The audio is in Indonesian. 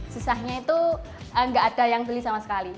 sesahnya itu enggak ada yang beli sama sekali